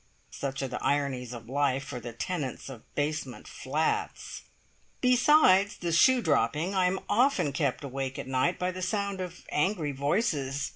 Such are the ironies of life for the tenants of basement flats. Besides the shoe dropping, I am often kept awake at night by the sound of angry voices.